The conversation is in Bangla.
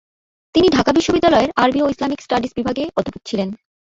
তিনি ঢাকা বিশ্ববিদ্যালয়ের আরবি ও ইসলামিক স্টাডিজ বিভাগে অধ্যাপক ছিলেন।